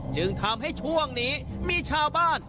จึงทำให้ช่วงนี้มีชาวบ้าน